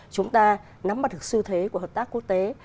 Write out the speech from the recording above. chúng ta nắm mắt thực sự thế của hợp tác quốc tế